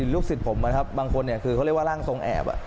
ลูกศิษย์ผมบางคนนี้เขาเรียกว่าล่างทรงแอบ